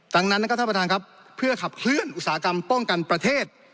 ดังนั้นนะครับท่านประธานครับเพื่อขับเคลื่อนอุตสาหกรรมป้องกันประเทศ